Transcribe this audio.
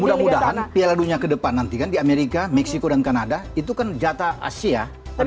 mudah mudahan piala dunia ke depan nanti kan di amerika meksiko dan kanada itu kan jatah asia